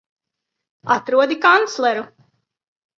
Atrodi kancleru!